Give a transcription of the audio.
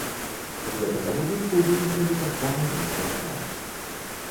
З гэтага будынку выехалі таксама іншыя крамы.